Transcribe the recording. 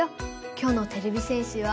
きょうのてれび戦士は。